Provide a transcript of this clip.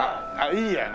いいやね。